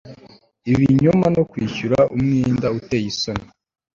ibinyoma no kwishyura umwenda uteye isoni